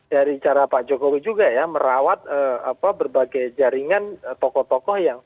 dari cara pak jokowi juga ya merawat berbagai jaringan tokoh tokoh yang